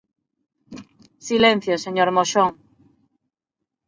Silencio, señor Moxón.